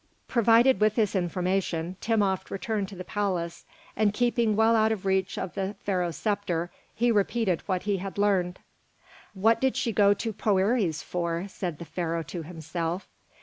Provided with this information, Timopht returned to the palace, and keeping well out of the reach of the Pharaoh's sceptre, he repeated what he had learned. "What did she go to Poëri's for?" said the Pharaoh to himself.